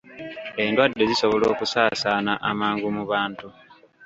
Endwadde zisobola okusaasaana amangu mu bantu